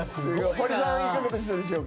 堀さんはいかがでしたでしょうか？